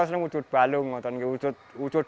aspirasi bawah ruang cewek biasanya rambut